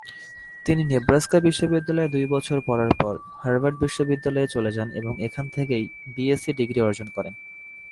তিনি নেব্রাস্কা বিশ্ববিদ্যালয়ে দুই বছর পড়ার পর হার্ভার্ড বিশ্ববিদ্যালয়ে চলে যান এবং এখান থেকেই বিএসসি ডিগ্রি অর্জন করেন।